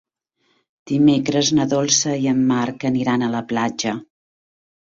Dimecres na Dolça i en Marc aniran a la platja.